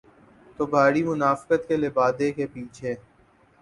تو بھاری منافقت کے لبادے کے پیچھے۔